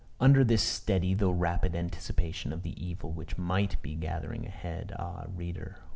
] Under this steady though rapid anticipation of the evil which might be gathering ahead, ah, reader!